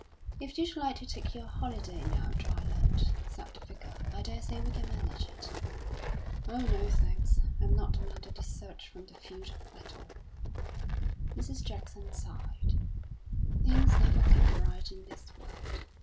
"If you'd like to take your holiday now, Dryland," said the Vicar, "I daresay we can manage it." "Oh, no, thanks; I'm not the man to desert from the field of battle." Mrs. Jackson sighed. "Things never come right in this world.